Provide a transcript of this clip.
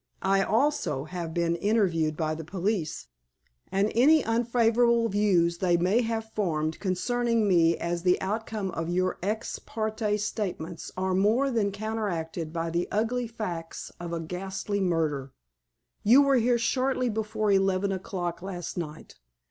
I, also, have been interviewed by the police, and any unfavorable views they may have formed concerning me as the outcome of your_ ex parte_ statements are more than counteracted by the ugly facts of a ghastly murder. You were here shortly before eleven o'clock last night.